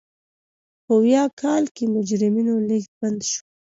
په ویاه کال کې مجرمینو لېږد بند شو.